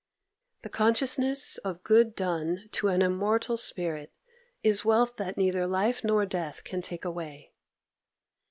The consciousness of good done to an immortal spirit is wealth that neither life nor death can take away.